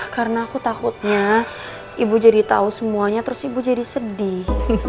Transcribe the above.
karena aku takutnya ibu jadi tahu semuanya terus ibu jadi sedih